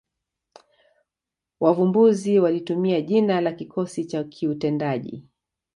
Wavumbuzi walitumia jina la kikosi cha kiutendaji